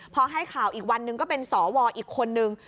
พอให้ข่าวอีกวันหนึ่งก็เป็นสวอีกคนนึง